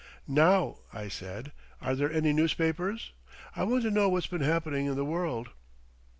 "Now," I said, "are there any newspapers? I want to know what's been happening in the world."